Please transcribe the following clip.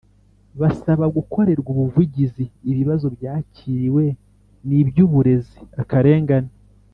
basaba gukorerwa ubuvugizi Ibibazo byakiriwe ni iby Uburezi Akarengane